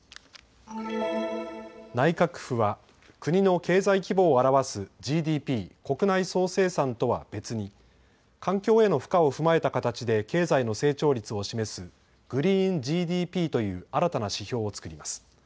内閣府は国の経済規模を表すＧＤＰ・国内総生産とは別に環境への負荷を踏まえた形で経済の成長率を示すグリーンＧＤＰという新たな指標を作ります。